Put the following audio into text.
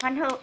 chỉ tí nữa